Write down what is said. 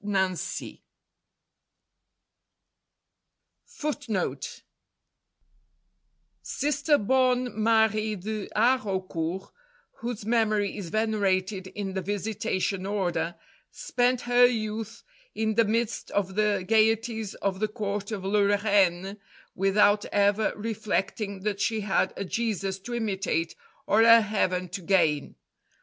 FOOTNOTE: [A] Sister Bonne Marie de Haraucourt, whose memory is venerated in the Visitation Order, spent her youth in the midst of the gaieties of the Court of Lorraine without ever reflecting that she had a Jesus to imitate or a heaven to gain.